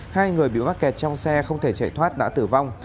hai người bị mắc kẹt trong xe không thể chạy thoát đã tử vong